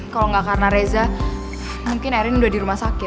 kalau nggak karena reza mungkin erin udah di rumah sakit